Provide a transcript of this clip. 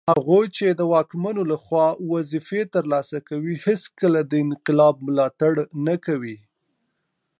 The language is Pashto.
هغوی چي د واکمنو لخوا وظیفې ترلاسه کوي هیڅکله د انقلاب ملاتړ نه کوي